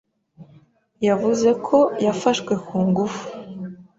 Yavuze ko yafashwe ku ngufu